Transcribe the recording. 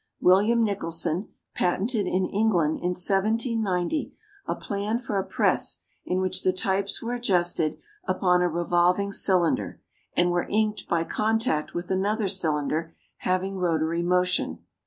William Nicholson patented in England, in 1790, a plan for a press in which the types were adjusted upon a revolving cylinder, and were inked by contact with another cylinder having rotary motion.